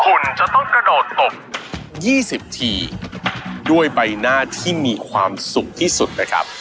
คุณจะต้องกระโดดตก๒๐ทีด้วยใบหน้าที่มีความสุขที่สุดนะครับ